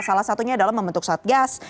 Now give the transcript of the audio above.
salah satunya adalah membentuk satgas